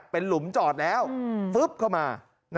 เป็นหลุมจอดแล้วฟึ๊บเข้ามา